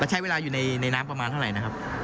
ใช้เวลาอยู่ในน้ำประมาณเท่าไหร่นะครับ